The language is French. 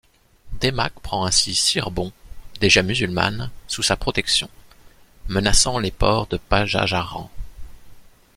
Demak prend ainsi Cirebon, déjà musulmane, sous sa protection, menaçant les ports de Pajajaran.